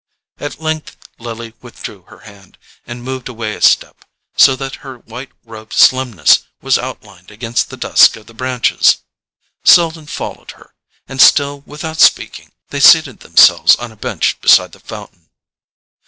At length Lily withdrew her hand, and moved away a step, so that her white robed slimness was outlined against the dusk of the branches. Selden followed her, and still without speaking they seated themselves on a bench beside the fountain.